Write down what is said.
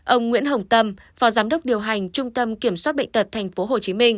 ông nguyễn hồng tâm phó giám đốc điều hành trung tâm kiểm soát bệnh tật tp hcm